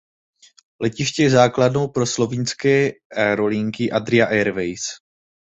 Letiště je základnou pro slovinské aerolinky Adria Airways.